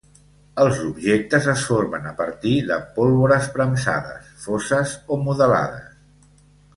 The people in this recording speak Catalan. Els objectes es formen a partir de pólvores premsades, foses o modelades.